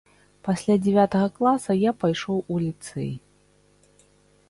Пасля дзявятага класа я пайшоў у ліцэй.